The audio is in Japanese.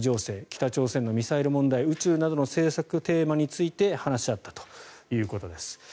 北朝鮮のミサイル問題宇宙などの政策テーマについて話し合ったということです。